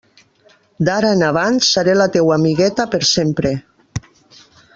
D'ara en avant seré la teua amigueta per sempre.